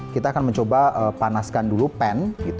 kita akan mencoba panaskan dulu pan